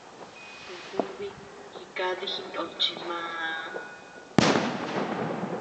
Kukubii jikadi jinót chi màà.